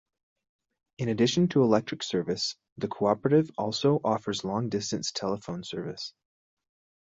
In addition to electric service, the cooperative also offers long distance telephone service.